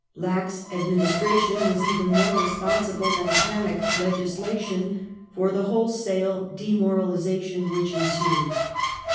Lax administration was even more responsible than panic legislation for the wholesale demoralization which ensued.